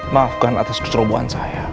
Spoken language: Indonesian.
maafkan atas kecerobohan saya